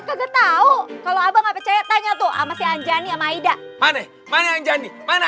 kagak tahu kalau abang nggak percaya tanya tuh sama si anjani sama aida mana mana anjani mana